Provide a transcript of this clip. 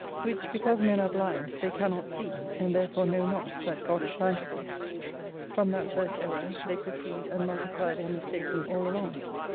"Which because men are blind, they cannot see, and therefore know not that God is bountiful. From that first error they proceed and multiply their mistaking all along.